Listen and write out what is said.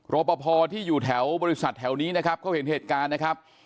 รอปภที่อยู่แถวบริษัทแถวนี้นะครับเขาเห็นเหตุการณ์นะครับ